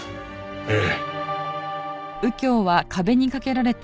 ええ。